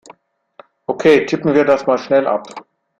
Okay, tippen wir das mal schnell ab!